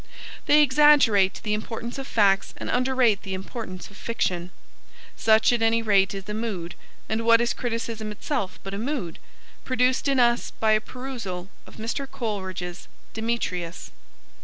They exaggerate the importance of facts and underrate the importance of fiction. Such, at any rate, is the mood and what is criticism itself but a mood? produced in us by a perusal of Mr. Coleridge's Demetrius.